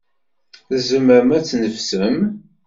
Tzemrem ad tneffsem?